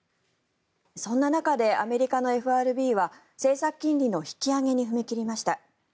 そんな中でアメリカのＦＲＢは政策金利の引き上げに踏み切りました。